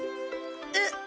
えっ？